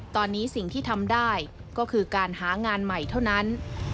ตอนนี้สิ่งที่ทำได้ก็คือการหางานใหม่เท่านั้น